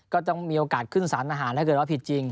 ก็ต้องมีโอกาสขึ้นสารทหารถ้าเกิดว่าผิดจริง